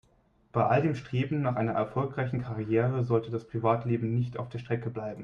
Bei all dem Streben nach einer erfolgreichen Karriere sollte das Privatleben nicht auf der Strecke bleiben.